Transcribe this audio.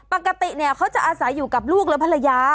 ปกติเนี่ยเขาจะอาศัยอยู่กับลูกและภรรยา